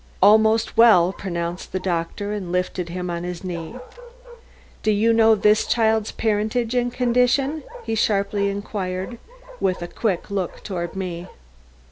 "Almost well," pronounced the doctor, and lifted him on his knee. "Do you know this child's parentage and condition?" he sharply inquired, with a quick look toward me.